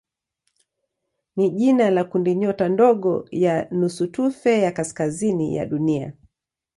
ni jina la kundinyota ndogo ya nusutufe ya kaskazini ya Dunia.